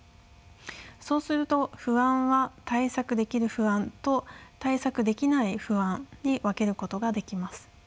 そうすると不安は対策できる不安と対策できない不安に分けることができます。